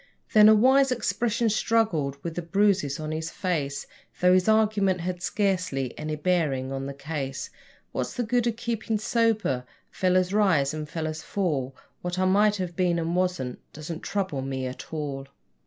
Then a wise expression struggled with the bruises on his face, Though his argument had scarcely any bearing on the case: 'What's the good o' keepin' sober? Fellers rise and fellers fall; What I might have been and wasn't doesn't trouble me at all.'